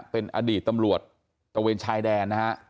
เป็นอดีตตำรวจตะเวนชายแดนนะฮะ